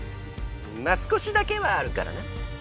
まっ少しだけはあるからな。